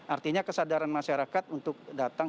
artinya kesadaran masyarakat untuk datang